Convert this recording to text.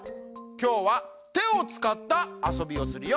きょうはてをつかったあそびをするよ。